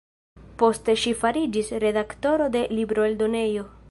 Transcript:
Poste ŝi fariĝis redaktoro de libroeldonejo.